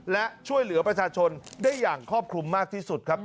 และช่วยเหลือประชาชนได้อย่างครอบคลุมมากที่สุดครับ